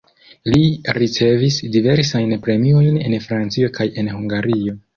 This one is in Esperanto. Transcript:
Li ricevis diversajn premiojn en Francio kaj en Hungario.